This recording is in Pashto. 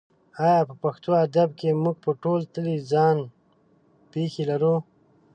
ایا په پښتو ادب کې موږ په تول تللې ځان پېښې لرو؟